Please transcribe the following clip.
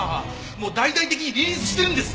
もう大々的にリリースしてるんです！